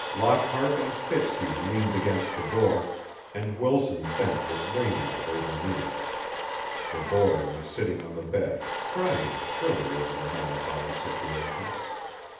Lockhart and Fitzhugh leaned against the door, and Wilson bent with Wainwright over me. The boy was sitting on the bed, crying shrilly over the melancholy situation.